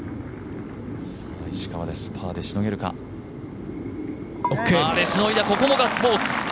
石川です、パーでしのげるかパーでしのいだ、ここもガッツポーズ。